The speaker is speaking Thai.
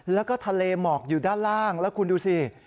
แล้วก็ทะเลหมอกอยู่ด้านล่างแล้วคุณดูสิ